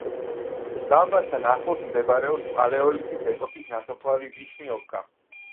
დაბასთან ახლოს მდებარეობს პალეოლითის ეპოქის ნასოფლარი ვიშნიოვკა.